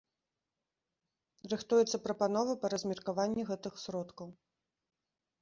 Рыхтуецца прапанова па размеркаванні гэтых сродкаў.